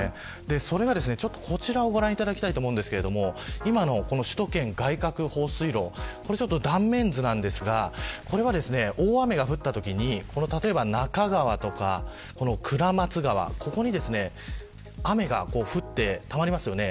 それがこちらをご覧いただきたいと思いますが首都圏外郭放水路断面図ですがこれは大雨が降ったときに中川とか倉松川、ここに雨が降って、たまりますよね。